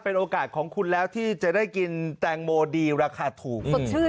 เป็นโอกาสของคุณแล้วที่จะได้กินแตงโมดีราคาถูก